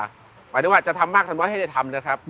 หมายถึงว่าจะทำมากทำไว้ให้ได้ทำนะครับ